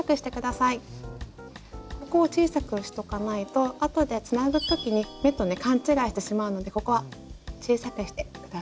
ここを小さくしとかないとあとでつなぐ時に目とね勘違いしてしまうのでここは小さくして下さい。